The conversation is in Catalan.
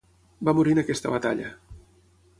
Va morir en aquesta batalla.